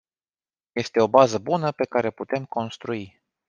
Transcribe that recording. Este o bază bună pe care putem construi.